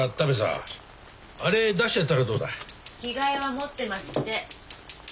着替えは持ってますって。